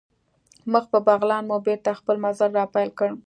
مخ په بغلان مو بېرته خپل مزل را پیل کړ.